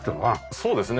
そうですね。